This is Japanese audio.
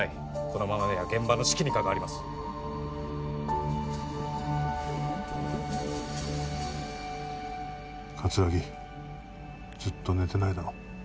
このままでは現場の士気にかかわります葛城ずっと寝てないだろ